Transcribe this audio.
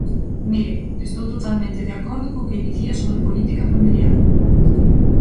Mire, estou totalmente de acordo co que dicía sobre política familiar.